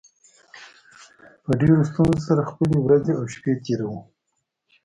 په ډېرو ستونزو سره خپلې ورځې او شپې تېروو